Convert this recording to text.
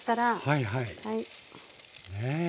はいはい。